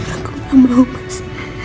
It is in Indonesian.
aku gak mau mas